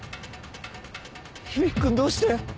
響君どうして。